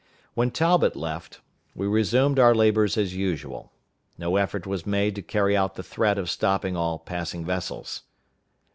When Talbot left, we resumed our labors as usual. No attempt was made to carry out the threat of stopping all passing vessels.